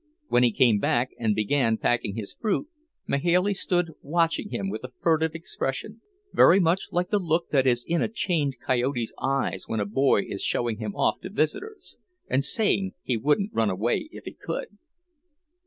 When he came back and began packing his fruit, Mahailey stood watching him with a furtive expression, very much like the look that is in a chained coyote's eyes when a boy is showing him off to visitors and saying he wouldn't run away if he could.